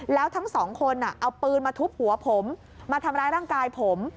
แล้วทั้งสองคนเอาปืนมาทุบหัวผมมาทำร้ายร่างกายผม